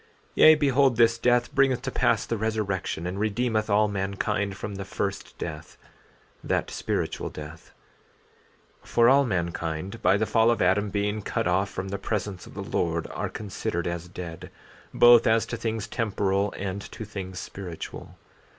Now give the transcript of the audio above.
14:16 Yea, behold, this death bringeth to pass the resurrection, and redeemeth all mankind from the first death—that spiritual death; for all mankind, by the fall of Adam being cut off from the presence of the Lord, are considered as dead, both as to things temporal and to things spiritual.